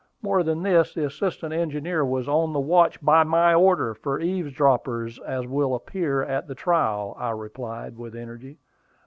More than this, the assistant engineer was on the watch, by my order, for eavesdroppers, as will appear at the trial," I replied, with energy.